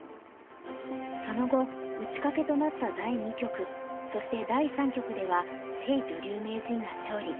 その後打ち掛けとなった第２局そして第３局では謝女流名人が勝利。